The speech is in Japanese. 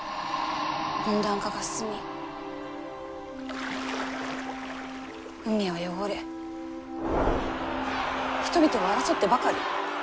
温暖化が進み海は汚れ人々は争ってばかり。